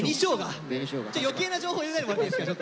ちょっと余計な情報入れないでもらっていいですか。